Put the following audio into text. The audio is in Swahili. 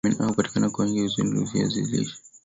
Vitamin A hupatikana kwa wingi ukila viazi lishe